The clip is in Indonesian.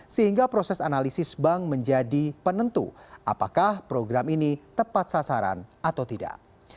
sehingga proses analisis bank menjadi penentu apakah program ini tepat sasaran atau tidak